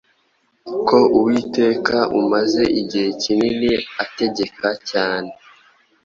Ko Uwiteka umaze igihe kinini ategeka cyane